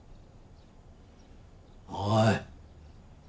おい！